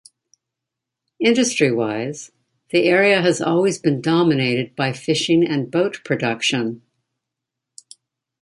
Industry wise, the area has always been dominated by fishing and boat production.